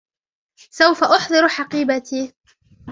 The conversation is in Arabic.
سوفَ أُحضرُ حقيبتي.